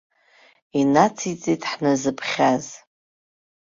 Инациҵеит ҳназыԥхьаз.